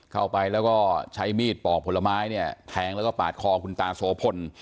เข้าไปแล้วก็ใช้มีดปอกผลไม้เนี่ยแทงแล้วก็ปาดคอคุณตาโสพล